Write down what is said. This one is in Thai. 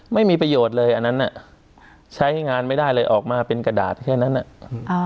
ไม่มีประโยชน์เลยอันนั้นน่ะใช้งานไม่ได้เลยออกมาเป็นกระดาษแค่นั้นอ่ะอ่า